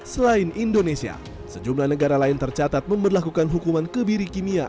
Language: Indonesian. selain indonesia sejumlah negara lain tercatat memperlakukan hukuman kebiri kimia